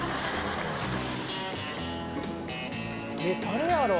誰やろう